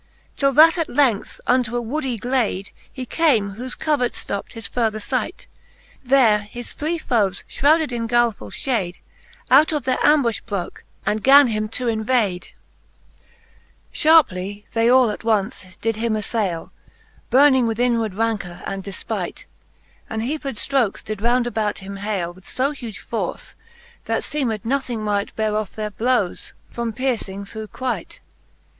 Till that at length unto a woody glade He came, whofe covert ftopt his further flght; There his three foes, fhrowded in guileful! fhade, Out of their ambufh broke, and gan him to invade. XVIII. Sharpely Canto V. the Faerie Hueenei oljj XVIII. Sharpely they all attonce did him aflaile, Burning with inward rancour and defpight, And heaped ftrokes did round about him haile With fo huge force, that feemed nothing might Beare off their blowes, from piercing thorough quite.